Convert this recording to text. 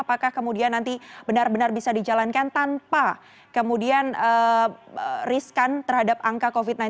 apakah kemudian nanti benar benar bisa dijalankan tanpa kemudian riskan terhadap angka covid sembilan belas